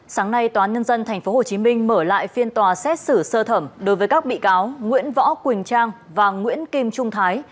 sáng nay tnthhm mở lại phiên tòa xét xử sơ thẩm đối với các bị cáo nguyễn võ quỳnh trang và nguyễn kim trung thái